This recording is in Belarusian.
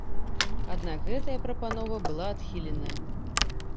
Аднак гэтая прапанова была адхіленая.